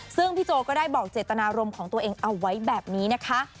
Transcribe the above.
ซึ่งพี่โจก็ได้บอกเจตนารมณ์ของตัวเองเอาไว้แบบนี้นะคะ